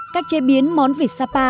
cách chế biến món vịt sapa